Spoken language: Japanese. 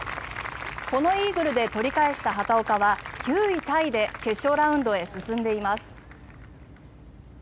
このイーグルで取り返した畑岡は９位タイで決勝ラウンドへ進んでいます。